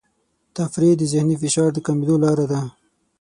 تفریح د ذهني فشار د کمېدو لاره ده.